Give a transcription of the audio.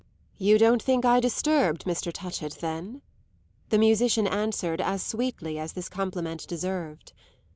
"You don't think I disturbed Mr. Touchett then?" the musician answered as sweetly as this compliment deserved.